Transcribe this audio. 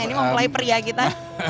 ini mempelai pria kita